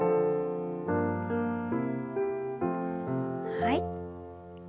はい。